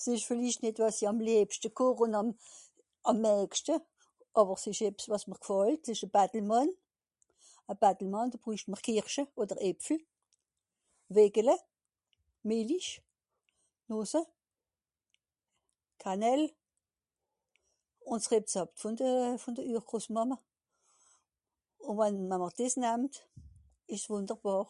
S'ìsch vìllicht nìt, wàs i àm liebschte koch ùn àm mèègschte, àwer s'ìsch ebbs wàs mr gfàllt ìsch e Battelmànn. E Battelmànn do brücht mr Kirsche, odder Äpfel, weckele, mìlich, Nùsse, Canelle, ùn s'Rezapt vùn de... vùn de Gros-Ühr-Màmme. Ùn wann... wa'mr dìs nammt, ìsch's Wùnderbàr.